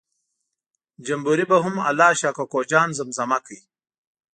جمبوري به هم الله شا کوکو جان زمزمه کړ.